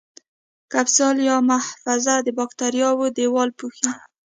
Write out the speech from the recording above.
کپسول یا محفظه د باکتریاوو دیوال پوښي.